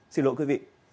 xin lỗi quý vị